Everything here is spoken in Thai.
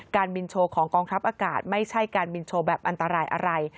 บินโชว์ของกองทัพอากาศไม่ใช่การบินโชว์แบบอันตรายอะไร